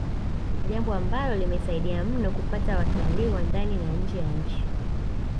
Jambo ambalo limesaidia mno kupata watalii wa ndani na nje ya nchi